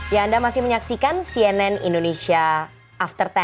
ya anda masih menyaksikan cnn indonesia after sepuluh